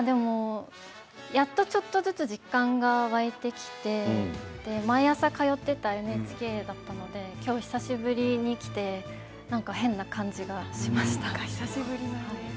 やっと、ちょっとずつ実感が湧いてきて毎朝通っていたＮＨＫだったので今日久しぶりに来てなんか変な感じがしました。